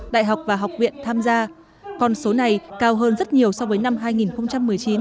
đại học và học viện tham gia con số này cao hơn rất nhiều so với năm hai nghìn một mươi chín